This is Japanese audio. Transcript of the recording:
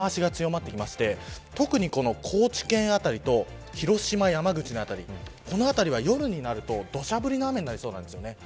今日の夜になると、西日本はだんだん雨脚が強まってきて特に高知県辺りと広島、山口の辺りこの辺りは夜になると土砂降りの雨になります。